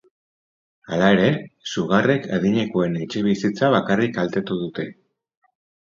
Hala ere, sugarrek adinekoen etxebizitza bakarrik kaltetu dute.